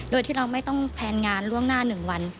โดยที่เราไม่ต้องแพลนงานล่วงหน้า๑วัน